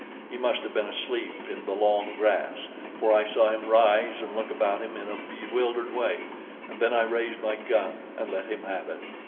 He must have been asleep in the long grass, for I saw him rise and look about him in a bewildered way, and then I raised my gun and let him have it.